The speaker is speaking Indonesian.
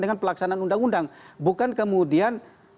dengan pelaksanaan undang undang bukan kemudian